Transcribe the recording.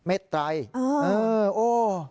เออ